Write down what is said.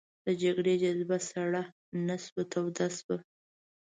د جګړې جذبه سړه نه شوه توده شوه.